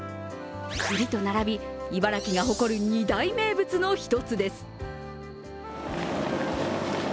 栗と並び、茨城が誇る二大名物の一つです。